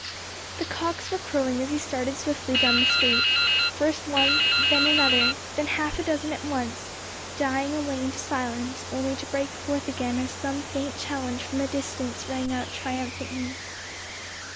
The cocks were crowing as he started swiftly down the street, first one, then another, then half a dozen at once, dying away into silence only to break forth again as some faint challenge from a distance rang out triumphantly.